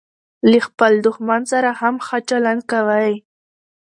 له خپل دوښمن سره هم ښه چلند کوئ!